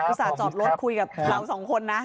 ส่าห์จอดรถคุยกับเราสองคนนะ